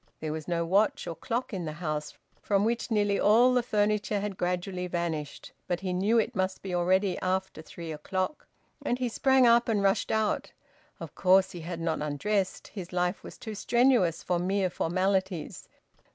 There was no watch or clock in the house, from which nearly all the furniture had gradually vanished, but he knew it must be already after three o'clock; and he sprang up and rushed out. Of course he had not undressed; his life was too strenuous for mere formalities.